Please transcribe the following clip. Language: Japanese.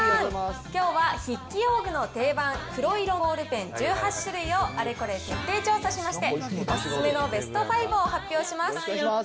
きょうは筆記用具の定番、黒色ボールペン１８種類をあれこれ徹底調査しまして、お勧めのベスト５を発表します。